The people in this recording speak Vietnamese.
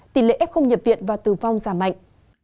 tỷ lệ f không nhập viện và tử vong giảm mạnh